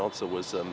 trong phương pháp phim